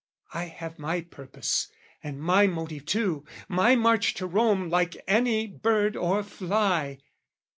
"I have my purpose and my motive too, "My march to Rome, like any bird or fly!